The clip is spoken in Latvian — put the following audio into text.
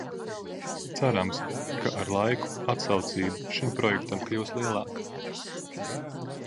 Cerams, ka ar laiku atsaucība šim projektam kļūs lielāka.